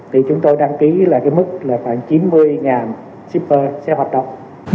thì chúng tôi đăng ký là cái mức là khoảng chín mươi shipper sẽ hoạt động